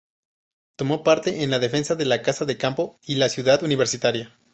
Tomó parte en la defensa de la Casa de Campo y la Ciudad Universitaria.